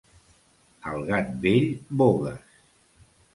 Al gat vell, bogues!